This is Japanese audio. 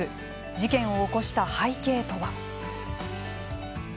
事件を起こした背景とは。